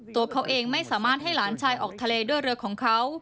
ตัวเขาเองไม่สามารถให้หลานชายออกทะเลด้วยเรือของเขา